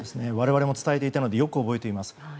我々も伝えていたのでよく覚えています。